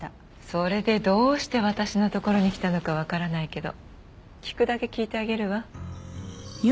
それでどうして私のところに来たのかわからないけど聞くだけ聞いてあげるわ。